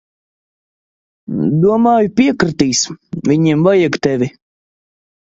Domāju, piekritīs. Viņiem vajag tevi.